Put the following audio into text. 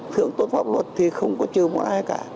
thưởng tốt pháp luật thì không có chờ mọi ai cả